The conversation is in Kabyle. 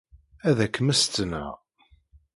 Ad k-mmestneɣ.